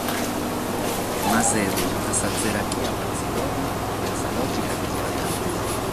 Masedu a sa tzerachia partzidora e a sa lògica de sas variantes.